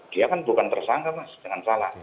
dia kan bukan tersangka mas jangan salah